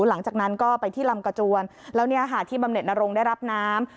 หลังจากนั้นก็ไปที่ลำกระจวนแล้วเนี่ยค่ะที่บำเน็ตนรงได้รับน้ำ